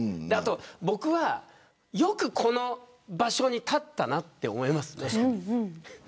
僕はよくこの場所に立ったなと思います。